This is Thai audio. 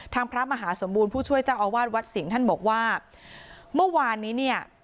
พระมหาสมบูรณ์ผู้ช่วยเจ้าอาวาสวัดสิงห์ท่านบอกว่าเมื่อวานนี้เนี่ย